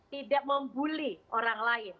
tidak membuli orang lain